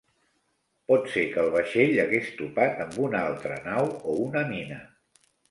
Pot ser que el vaixell hagués topat amb una altra nau o una mina.